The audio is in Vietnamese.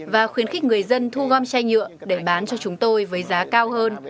và khuyến khích người dân thu gom chai nhựa để bán cho chúng tôi với giá cao hơn